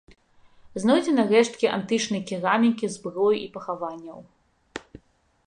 Знойдзены рэшткі антычнай керамікі, зброі і пахаванняў.